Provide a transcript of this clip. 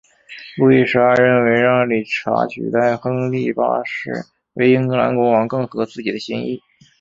路易十二认为让理查取代亨利八世为英格兰国王更合自己的心意。